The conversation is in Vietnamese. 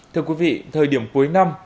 thưa quý vị thời điểm cuối năm